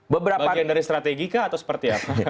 bagian dari strategi kah atau seperti apa